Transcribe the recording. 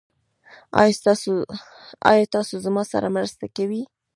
ایا تاسو زما سره مرسته کوئ؟